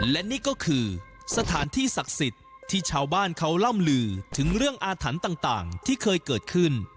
และนี่ก็คือสถานที่ศักดิ์สิทธิ์ที่ชาวบ้านเขาล่ำลือถึงเรื่องอาถรรพ์ต่างที่เคยเกิดขึ้น